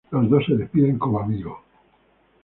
Los dos se despiden como amigos.